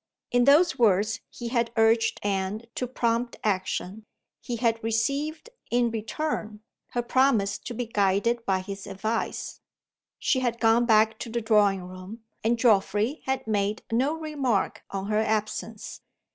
In those words he had urged Anne to prompt action. He had received, in return, her promise to be guided by his advice. She had gone back to the drawing room; and Geoffrey had made no remark on her absence.